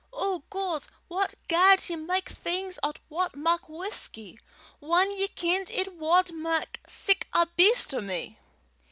O God, what garred ye mak things 'at wad mak whusky, whan ye kenned it wad mak sic a beast o' me?"